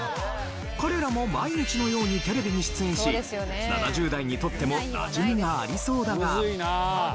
彼らも毎日のようにテレビに出演し７０代にとってもなじみがありそうだが。